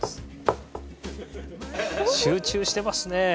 集中してますね。